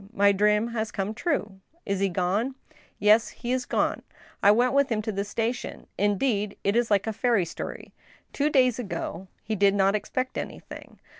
My dream has come true." " Is he going ?"" Yes, he is gone. I went with him to the station. Indeed, it is like a fairy story. Two days ago he did not expect anything.